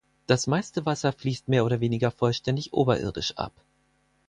Das meiste Wasser fließt mehr oder weniger vollständig oberirdisch ab.